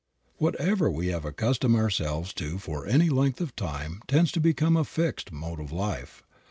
Whatever we have accustomed ourselves to for any length of time tends to become a fixed mode of life.